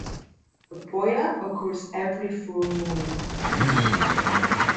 A Poya occurs every full moon.